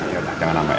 yaudah jangan lambat ya